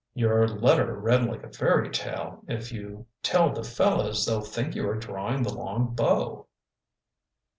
"Your letter read like a fairy tale. If you tell the fellows they'll think you are drawing the long bow."